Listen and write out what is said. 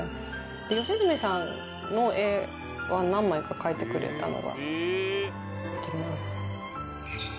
良純さんの絵は何枚か描いてくれたのがあります。